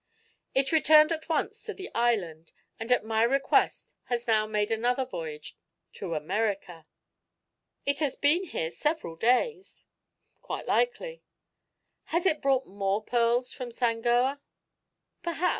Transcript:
"It returned at once to the island, and at my request has now made another voyage to America." "It has been here several days." "Quite likely." "Has it brought more pearls from Sangoa?" "Perhaps.